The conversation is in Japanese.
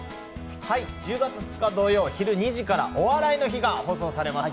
１０月２日、土曜昼２時から「お笑いの日」が放送されます。